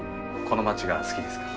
この街が好きですか？